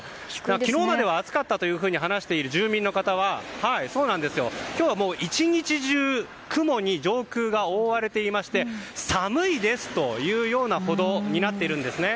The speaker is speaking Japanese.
昨日までは暑かったと話している住民の方は今日は１日中雲に上空が覆われていまして寒いですというようなことになっているんですね。